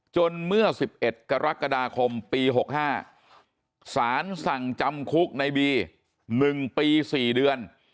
เมื่อ๑๑กรกฎาคมปี๖๕สารสั่งจำคุกในบี๑ปี๔เดือน